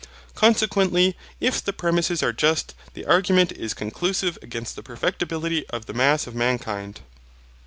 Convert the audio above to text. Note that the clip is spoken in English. Consequently, if the premises are just, the argument is conclusive against the perfectibility of the mass of mankind.